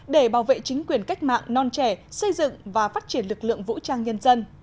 để bảo vệ chính quyền cách mạng non trẻ xây dựng và phát triển lực lượng vũ trang nhân dân